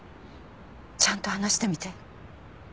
ちゃんと話してみて。